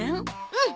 うん！